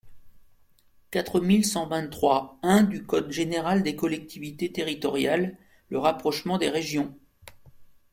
quatre mille cent vingt-trois-un du code général des collectivités territoriales, le rapprochement des régions.